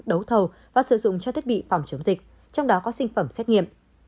đấu thầu và sử dụng cho thiết bị phòng chống dịch trong đó có sinh phẩm xét nghiệm